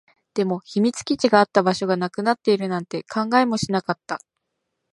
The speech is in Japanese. でも、秘密基地があった場所がなくなっているなんて考えもしなかった